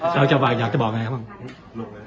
เราจะบอกอยากจะบอกไงครับบางคน